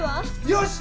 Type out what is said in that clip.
よし！